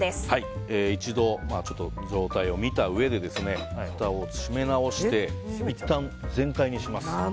一度、状態を見たうえでふたを閉め直していったん、全開にします。